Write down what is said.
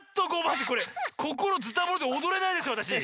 こころズタボロでおどれないですわたし。